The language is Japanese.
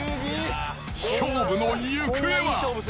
勝負の行方は。